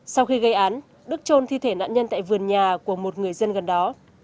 sau khi gây án đức trôn thi thể nạn nhân tại vườn nhà của một người dân gần đó